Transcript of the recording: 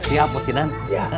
iya bos idan